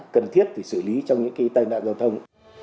cần thiết để xử lý trong những cái tai nạn giao thông